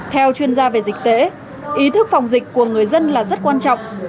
theo chuyên gia về dịch tễ ý thức phòng dịch của người dân là rất quan trọng